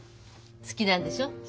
好きなんでしょ？